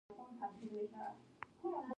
دا د ولس د ژوند په بیه وو.